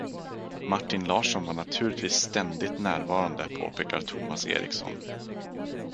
Martin Larsson var naturligtvis ständigt närvarande påpekar Tomas Eriksson.